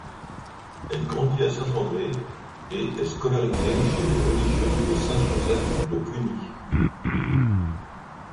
Elle grandit à Saint-André et est scolarisée chez les religieuses de Saint-Joseph de Cluny.